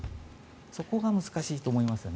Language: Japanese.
そこが難しいと思いますよね。